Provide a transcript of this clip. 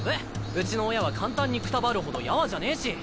うちの親は簡単にくたばるほどやわじゃねぇし。